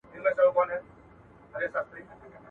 په سمه لاره کي پل مه ورانوی.